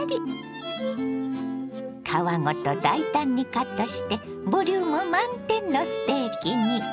皮ごと大胆にカットしてボリューム満点のステーキに。